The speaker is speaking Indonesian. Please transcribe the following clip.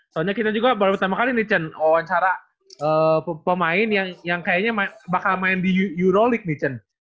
soalnya kita juga baru pertama kali nih cen wawancara pemain yang kayaknya bakal main di euroleague nih cen